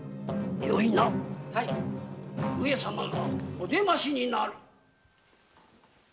よいな上様がお出ましになる。